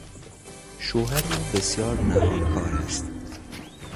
شوهر او بسیار نهانکار است.